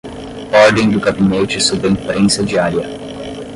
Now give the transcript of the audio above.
Ordem do Gabinete sobre a Imprensa Diária